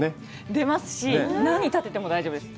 出ますし何建てても大丈夫です。